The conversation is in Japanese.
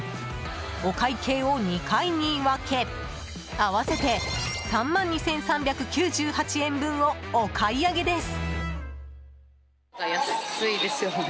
お会計を２回に分け合わせて３万２３９８円分をお買い上げです。